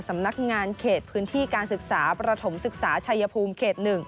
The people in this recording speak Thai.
สำนักงานเขตพื้นที่การศึกษาประถมศึกษาชัยภูมิเขต๑